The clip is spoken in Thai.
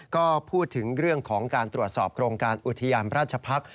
ก็พูดถึงเรื่องของการตรวจสอบโครงการอุทยานราชพักษ์